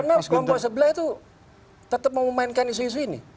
karena kompor sebelah itu tetap memainkan isu isu ini